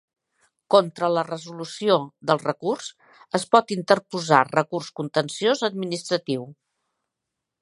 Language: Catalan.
Contra la resolució del recurs es pot interposar recurs contenciós administratiu.